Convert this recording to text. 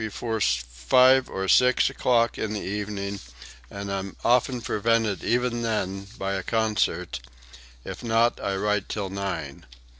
I can not work before five or six o'clock in the evening and I am often prevented even then by a concert; if not I write till nine.